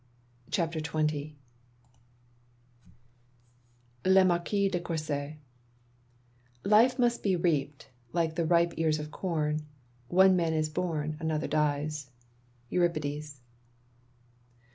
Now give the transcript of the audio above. CHAPTER XX LE MARQUIS DE COURSET Life must be reaped like the ripe ears of com; One man is bom, another dies.'! EURIPIDBS.